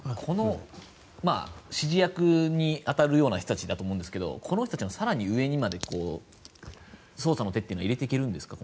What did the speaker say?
指示役に当たるような人たちだと思うんですがこの人たちの更に上にまで捜査の手というのは入れていけるんですか？